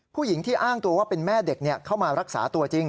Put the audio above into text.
ผู้หญิงที่อ้างตัวว่าเป็นแม่เด็กเข้ามารักษาตัวจริง